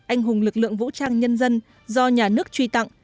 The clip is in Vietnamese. anh hùng lực lượng vũ trang nhân dân do nhà nước truy tặng